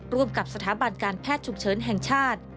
ร่วมกับสถาบันการแพทย์ฉุกเฉินแห่งชาติ